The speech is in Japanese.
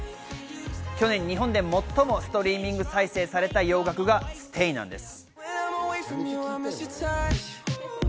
去年、日本で最もストリーミング再生された洋楽が『ＳＴＡＹ』なんです。